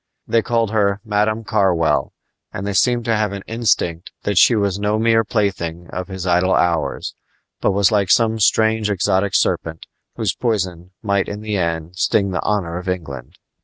They called her "Madam Carwell," and they seemed to have an instinct that she was no mere plaything of his idle hours, but was like some strange exotic serpent, whose poison might in the end sting the honor of England.